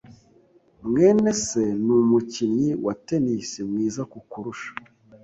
mwene se numukinnyi wa tennis mwiza kukurusha.